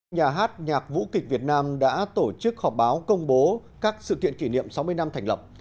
nhà hát nhạc vũ kịch việt nam đã tổ chức họp báo công bố các sự kiện kỷ niệm sáu mươi năm thành lập